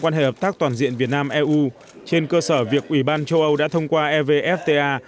quan hệ hợp tác toàn diện việt nam eu trên cơ sở việc ủy ban châu âu đã thông qua evfta